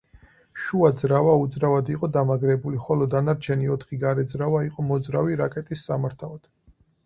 შუა ძრავა უძრავად იყო დამაგრებული, ხოლო დანარჩენი ოთხი გარე ძრავა იყო მოძრავი, რაკეტის სამართავად.